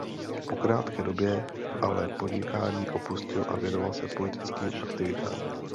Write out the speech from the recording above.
Po krátké době ale podnikání opustil a věnoval se politickým aktivitám.